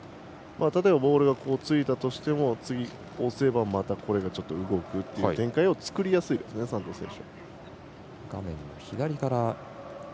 例えば、ボールが白の横についたとしても次、押せばまたこれがちょっと動くという展開を作りやすいですね、サントス選手。